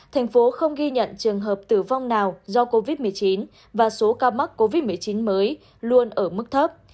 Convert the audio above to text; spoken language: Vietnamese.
thành phố không ghi nhận trường hợp tử vong nào do covid một mươi chín và số ca mắc covid một mươi chín mới luôn ở mức thấp